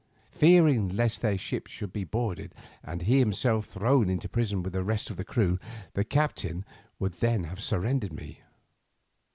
Fearing lest his ship should be boarded and he himself thrown into prison with the rest of his crew, the captain would then have surrendered me.